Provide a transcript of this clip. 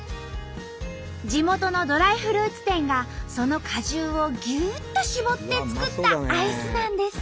地元のドライフルーツ店がその果汁をぎゅっと搾って作ったアイスなんです。